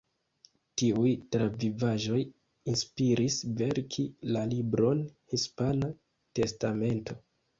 Tiuj travivaĵoj inspiris verki la libron „Hispana Testamento“.